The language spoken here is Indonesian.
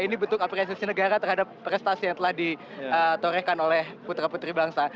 ini bentuk apresiasi negara terhadap prestasi yang telah ditorehkan oleh putra putri bangsa